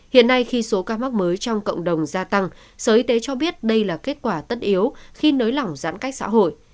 hiện nay khi số ca mắc mới trong cộng đồng gia tăng sở y tế cho biết đây là kết quả tất yếu khi nới lỏng giãn cách xã hội